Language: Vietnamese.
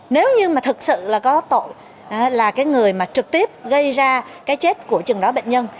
nếu như mà thực sự là có tội là cái người mà trực tiếp gây ra cái chết của chừng đó bệnh nhân